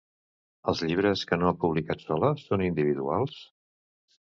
Els llibres que no ha publicat sola són individuals?